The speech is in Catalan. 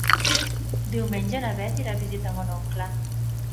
Diumenge na Bet irà a visitar mon oncle.